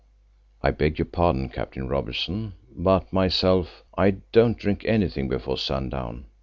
"I beg your pardon—Captain Robertson, but myself, I don't drink anything before sundown.